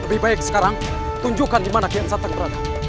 lebih baik sekarang tunjukkan dimana kian santan berada